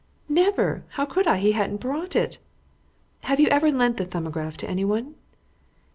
"Never. How could I? He hadn't brought it." "Have you ever lent the 'Thumbograph' to anyone?"